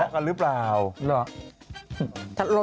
เขารอกกันหรือเปล่ารอก